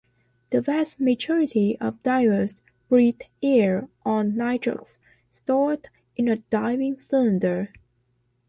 The vast majority of divers breathe air or nitrox stored in a diving cylinder.